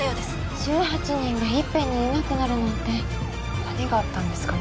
１８人がいっぺんにいなくなるなんて何があったんですかね